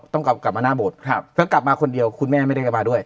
ต้องกลับมาหน้าโบสถ์แล้วกลับมาคนเดียวคุณแม่ไม่ได้กลับมาด้วย